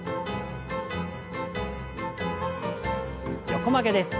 横曲げです。